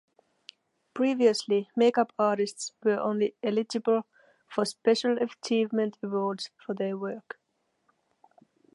Previously, make-up artists were only eligible for special achievement awards for their work.